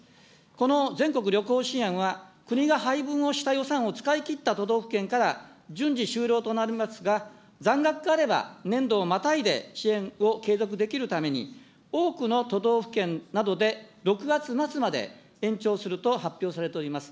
この全国旅行支援は、国が配分をした予算を使いきった都道府県から順次終了となりますが、残額があれば年度をまたいで支援を継続できるために、多くの都道府県などで６月末まで延長すると発表されております。